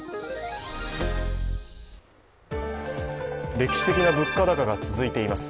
歴史的な物価高が続いています。